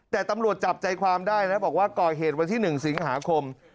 แต่ตำรวจจับใจความได้นะบอกว่าก่อเหตุวันที่๑สิงหาคม